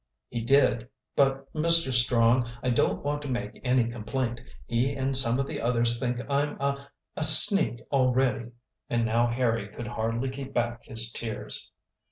"He did. But, Mr. Strong, I don't want to make any complaint. He and some of the others think I'm a a sneak already," and now Harry could hardly keep back his tears.